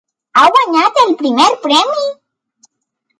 Ha guanyat el primer premi.